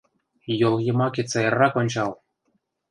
Йол йымакет сайрак ончал!»